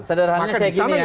sederhananya saya gini ya